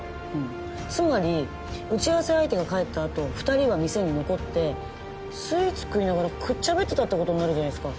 つまり打ち合わせ相手が帰った後２人は店に残ってスイーツ食いながらくっちゃべってたってことになるじゃないですか。